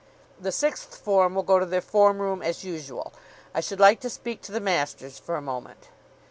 "The Sixth Form will go to their form room as usual. I should like to speak to the masters for a moment."